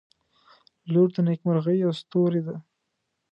• لور د نیکمرغۍ یوه ستوری ده.